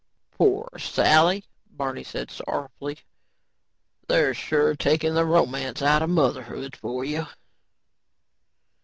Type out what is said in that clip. "Pore Sally," Barney said sorrowfully. "They're sure takin' the romance outta motherhood for you."